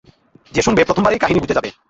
যে শুনবে প্রথমবারেই কাহিনি বুঝে যাবে।